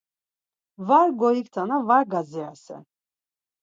Var goiktana var gadzirasen.